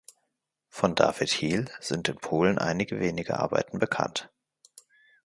Von David Heel sind in Polen einige wenige Arbeiten bekannt.